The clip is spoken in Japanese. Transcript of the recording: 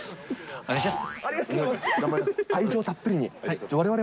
お願いします。